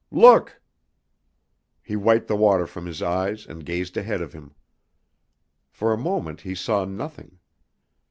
"Look!" He wiped the water from his eyes and gazed ahead of him. For a moment he saw nothing.